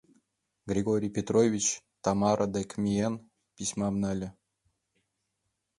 Григорий Петрович, Тамара дек миен, письмам нале.